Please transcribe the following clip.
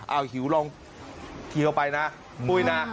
เอาหิวลองทีเอาไปนะอุ้ยนะ